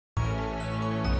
saya rasa ibu tidak benar